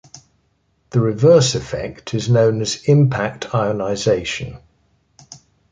The reverse effect is known as impact ionization.